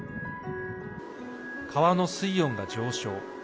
川の水温が上昇。